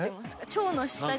「超」の下に。